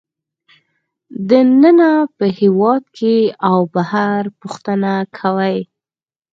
دننه په هېواد کې او بهر پوښتنه کوي